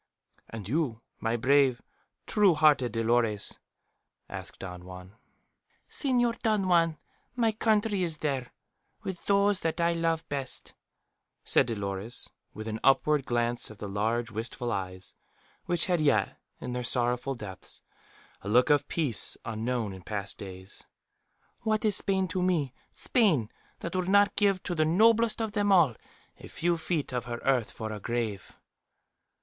"And you, my brave, true hearted Dolores?" asked Don Juan. "Señor Don Juan, my country is there, with those that I love best," said Dolores, with an upward glance of the large wistful eyes, which had yet, in their sorrowful depths, a look of peace unknown in past days. "What is Spain to me Spain, that would not give to the noblest of them all a few feet of her earth for a grave?"